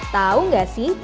tau gak sih